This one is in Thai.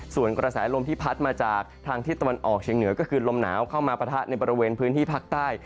ส่วนกระแสลมที่พัดมาจากทางทิศตะวันออกเชียงเหนือก็คือลมหนาวเข้ามาปะทะในบริเวณพื้นที่ภาคใต้